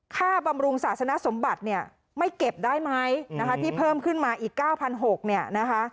๒ค่าบำรุงศาสนสมบัติไม่เก็บได้ไหมที่เพิ่มขึ้นมาอีก๙๖๐๐บาท